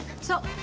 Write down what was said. そう。